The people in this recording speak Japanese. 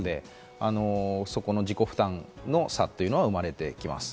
そこの自己負担の差というのは生まれてきます。